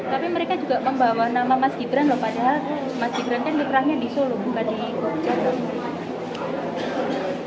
tapi mereka juga membawa nama mas gibran loh padahal mas gibran kan mitranya di solo bukan di golkar